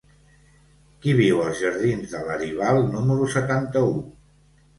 Qui viu als jardins de Laribal número setanta-u?